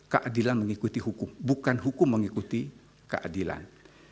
keadilan mengikuti hukum bukan hukum mengikuti keadilan